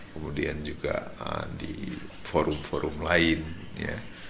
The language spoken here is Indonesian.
kemudian juga di forum forum lain ya